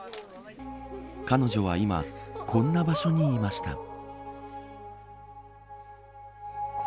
彼女は今こんな場所にいました。